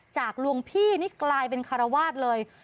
หลวงพี่นี่กลายเป็นคารวาสเลย